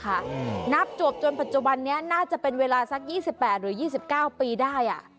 นับจวบจนปัจจุบันนี้น่าจะเป็นเวลาสัก๒๘หรือ๒๙ปีได้